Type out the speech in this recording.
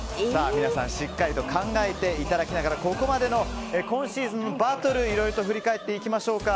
皆さんしっかりと考えていただきながらここまでの今シーズンのバトルを振り返っていきましょうか。